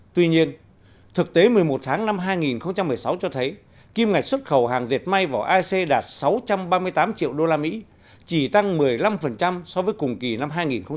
tuy nhiên thực tế một mươi một tháng năm hai nghìn một mươi sáu cho thấy kim ngạch xuất khẩu hàng diệt may vào ac đạt sáu trăm ba mươi tám triệu usd chỉ tăng một mươi năm so với cùng kỳ năm hai nghìn một mươi bảy